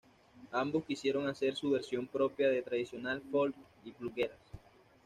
Ambos quisieron hacer su versión propia de tradicional folk y bluegrass.